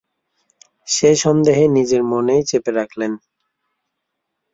সেই সন্দেহ নিজের মনেই চেপে রাখলেন।